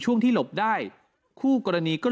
ช่วงที่หลบได้คู่กรณีก็